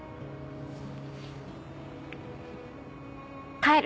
帰る。